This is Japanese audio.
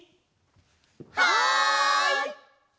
はい！